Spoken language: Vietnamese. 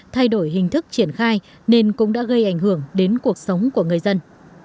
thay đổi hình thức triển khai nên cũng đã gây ảnh hưởng đến cuộc sống của người dân